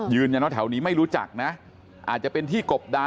ยืนยันว่าแถวนี้ไม่รู้จักอาจจะเป็นที่กบดาล